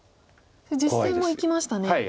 実戦もいきましたね。